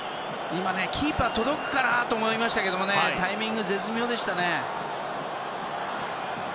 キーパー届くかなと思いましたけどタイミング絶妙でしたね。